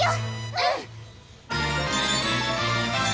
うん！